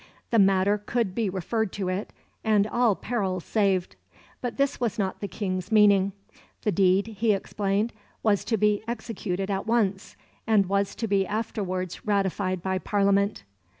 The matter could be referred to it, and all perils saved. But this was not the King's meaning. The deed, he explained, was to be executed at once, and was to be afterwards ratified by Parliament.